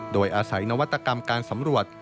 โดยอาศัยนวัตกรรมการสำรวจ